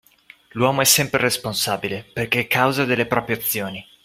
L'uomo è sempre responsabile perché causa delle proprie azioni